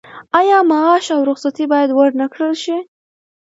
آیا معاش او رخصتي باید ورنکړل شي؟